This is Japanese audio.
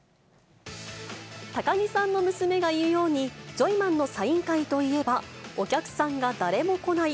高木さんの娘が言うように、ジョイマンのサイン会といえば、お客さんが誰も来ない、